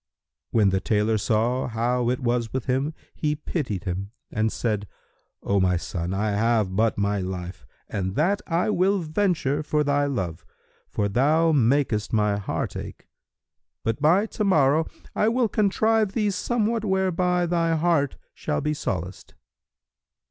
When the tailor saw how it was with him, he pitied him and said, "O my son, I have but my life and that I will venture for thy love, for thou makest my heart ache. But by to morrow I will contrive thee somewhat whereby thy heart shall be solaced."